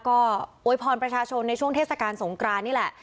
ก็โวยพรประชาชนในช่วงเทศกาลสงกรานนี่แหละ